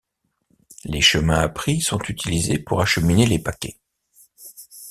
Les chemins appris sont utilisés pour acheminer les paquets.